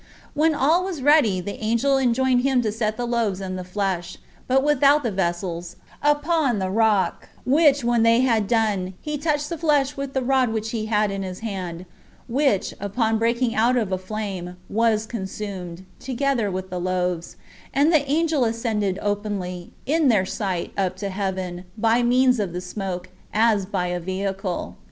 When all was ready, the angel enjoined him to set the loaves and the flesh, but without the vessels, upon the rock; which when they had done, he touched the flesh with the rod which he had in his hand, which, upon the breaking out of a flame, was consumed, together with the loaves; and the angel ascended openly, in their sight, up to heaven, by means of the smoke, as by a vehicle.